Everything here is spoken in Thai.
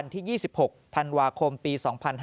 ที่๒๖ธันวาคมปี๒๕๕๙